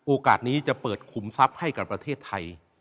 โอกาสนี้จะเปิดขุมทรัพย์ให้กับประเทศไทย